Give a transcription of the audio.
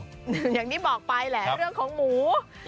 อย่างที่บอกไปแหละเรื่องของหมู